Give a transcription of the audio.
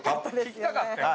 聴きたかったよね。